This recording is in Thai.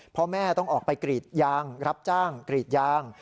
พ่อแม่ต้องออกไปกรีดยางรับจ้างกรีดยาง